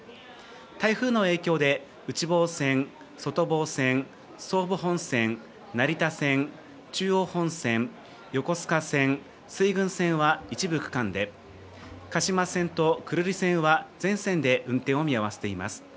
台風の影響で、内房線、外房線、総武本線、成田線、中央本線、横須賀線、水郡線は一部区間で、鹿島線と久留里線は、全線で運転を見合わせています。